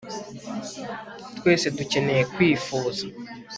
twese dukeneye kwifuza